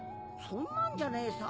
そんなんじゃねえさ。